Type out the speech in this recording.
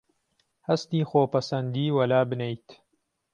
هەستی خۆپەسەندیی وەلابنێیت